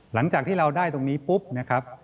หลังจากที่เราได้ตรงนี้ปุ๊บนะครับ